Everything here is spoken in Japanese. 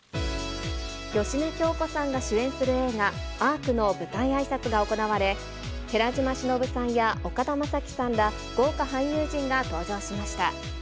芳根京子さんが主演する映画、アークの舞台あいさつが行われ、寺島しのぶさんや岡田将生さんら、豪華俳優陣が登場しました。